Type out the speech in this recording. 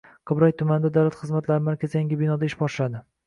Qibray tumanida Davlat xizmatlari markazi yangi binoda ish boshladi